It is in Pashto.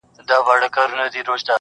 کله به رسوا سي، وايي بله ورځ -